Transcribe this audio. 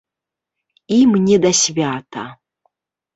Ім не да свята.